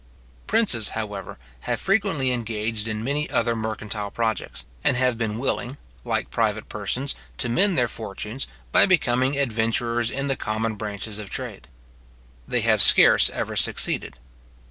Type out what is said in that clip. Princes, however, have frequently engaged in many other mercantile projects, and have been willing, like private persons, to mend their fortunes, by becoming adventurers in the common branches of trade. They have scarce ever succeeded.